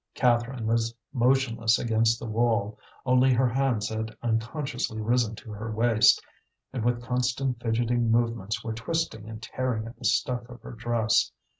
Catherine was motionless against the wall; only her hands had unconsciously risen to her waist, and with constant fidgeting movements were twisting and tearing at the stuff of her dress.